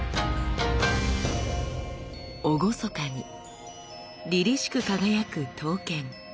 厳かにりりしく輝く刀剣。